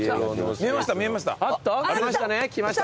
見えました見えました。